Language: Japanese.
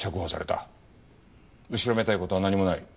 後ろめたい事は何もない。